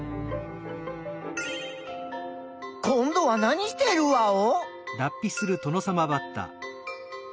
今どは何してるワオ？